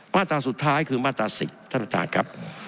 มาตราสุดท้ายคือมาตรา๑๐ท่านประธานครับ